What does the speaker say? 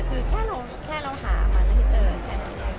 คือแค่เราแค่เราหามาสักทีเติมค่ะ